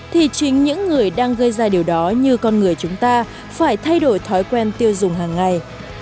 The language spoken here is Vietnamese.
thì chính những người đang gây ra điều đó như con người chúng ta phải thay đổi thói quen tiêu dùng hàng ngày